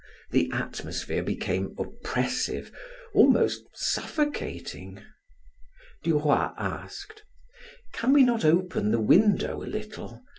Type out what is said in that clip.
The atmosphere became oppressive, almost suffocating. Duroy asked: "Can we not open the window a little?